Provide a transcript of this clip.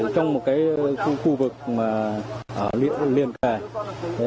trong một cái khu vực mà liên kề